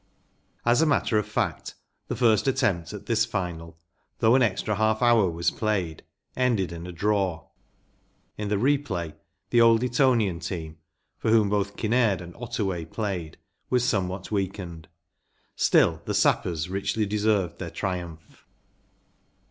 As a matter of fact the first attempt at this final, though an extra half hour was played, ended in a draw. In the replay the Old Etonian team, for whom both Kinnaird and Ottaway played, was somewhat weakened. Still, the Sappers richly deserved their triumph.